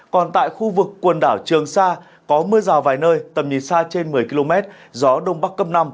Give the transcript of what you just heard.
còn tại khu vực quần đảo trường sa có mưa rào vài nơi tầm nhìn xa trên một mươi km gió đông bắc cấp năm